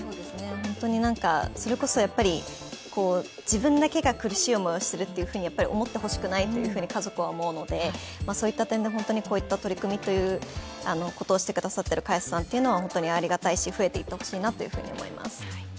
本当に自分だけが苦しい思いをしていると思ってほしくないと家族は思うのでそういった点でこういった取り組みをしてくださっている会社さんは本当にありがたいし増えていってほしいと思います。